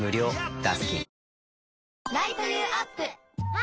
あ！